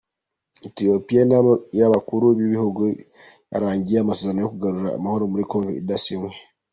etiyopiya Inama y’abakuru b’ibihugu yarangiye amasezerano yo kugarura amahoro muri kongo adasinywe